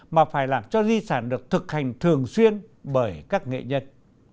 mà phải làm cho di sản được thực hành thường xuyên bởi các nghệ nhân